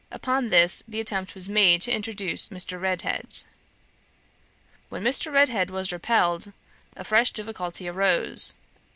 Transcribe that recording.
Upon this the attempt was made to introduce Mr. Redhead. "When Mr. Redhead was repelled, a fresh difficulty arose.